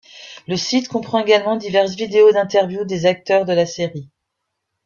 Le site comprend également diverses vidéos d'interviews des acteurs de la série.